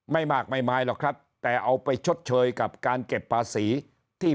ไม่มากไม่ไม้หรอกครับแต่เอาไปชดเชยกับการเก็บภาษีที่